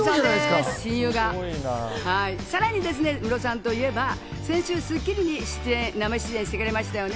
さらにムロさんといえば、先週『スッキリ』に生出演してくれましたよね。